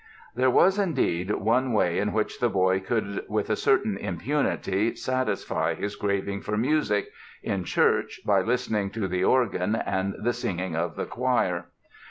There was, indeed, one way in which the boy could with a certain impunity satisfy his craving for music—in church, by listening to the organ and the singing of the choir.